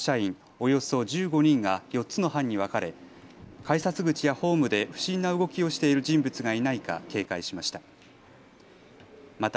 およそ１５人が４つの班に分かれ改札口やホームで不審な動きをしている人物がいないか警戒しました。